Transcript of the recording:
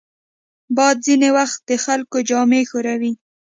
باد ځینې وخت د خلکو جامې ښوروي